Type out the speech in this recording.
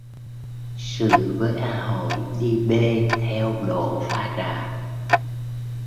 Sự với A Hội đi bê theo độ pha trà